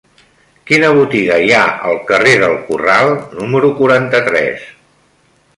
Quina botiga hi ha al carrer del Corral número quaranta-tres?